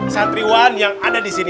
santriwan yang ada di sini